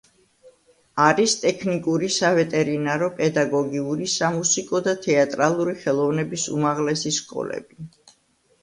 არის ტექნიკური, სავეტერინარო, პედაგოგიური, სამუსიკო და თეატრალური ხელოვნების უმაღლესი სკოლები.